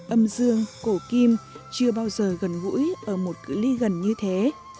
âm dương cổ kim chưa bao giờ gần gũi ở một cửa ly gần như thế